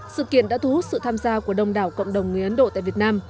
sự kiện đã thu hút sự tham gia của đông đảo cộng đồng người ấn độ tại việt nam